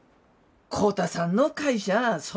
浩太さんの会社そ